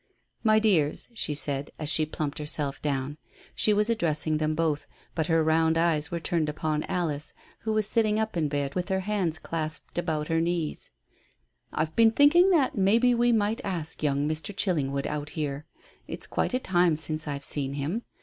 "My dears," she said, as she plumped herself down; she was addressing them both, but her round eyes were turned upon Alice, who was sitting up in bed with her hands clasped about her knees, "I've been thinking that maybe we might ask young Mr. Chillingwood out here. It's quite a time since I've seen him.